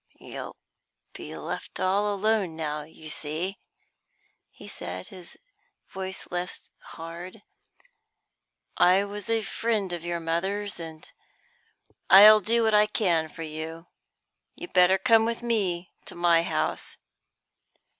"You'll be left all alone now, you see," he said, his voice less hard. "I was a friend of your mother's, and I'll do what I can for you. You'd better come with me to my house."